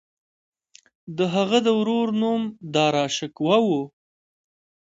د هغه د ورور نوم داراشکوه و.